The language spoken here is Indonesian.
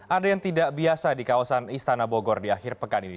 ada yang tidak biasa di kawasan istana bogor di akhir pekan ini